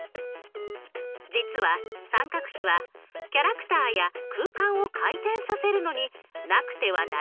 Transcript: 実は三角比はキャラクターや空間を回転させるのになくてはならないものなのです。